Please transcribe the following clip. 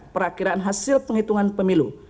perakhiran hasil penghitungan pemilu